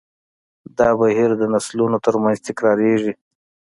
دا بهیر د نسلونو تر منځ تکراریږي.